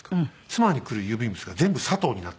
妻に来る郵便物が全部「佐藤」になって。